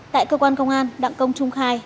tại cơ quan công an đặng công trung khai